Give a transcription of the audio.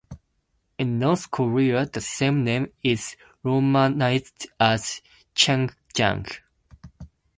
In North Korea, the same name is romanized as chungjang.